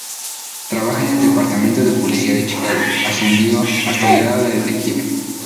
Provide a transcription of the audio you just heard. Trabajó en el Departamento de Policía de Chicago, ascendiendo hasta el grado de detective.